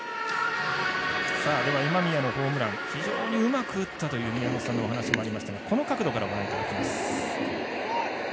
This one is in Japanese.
では、今宮のホームラン非常にうまく打ったという宮本さんのお話もありましたがこの角度からご覧いただきます。